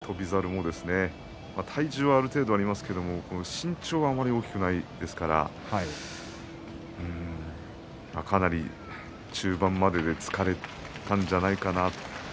宇良も翔猿も体重はある程度ありますけれども身長があまり大きくないですからかなり、中盤までで疲れたんじゃないかなと。